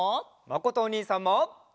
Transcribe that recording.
まことおにいさんも。